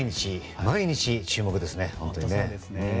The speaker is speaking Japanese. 毎日注目ですね。